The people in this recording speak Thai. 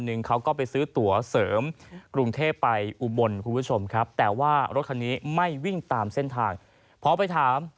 เขาก็ไปซื้อตั๋วเสริมกรุงเทพไปอุบลคุณผู้ชมครับแต่ว่ารถคันนี้ไม่วิ่งตามเส้นทางพอไปถาม